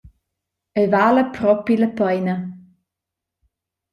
Ei vala propi la peina.